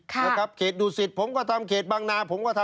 นะครับเขกดูศิษย์ผมก็ทำเขตบางราศาสตร์